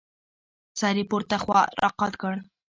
سر يې پورته خوا راقات کړ.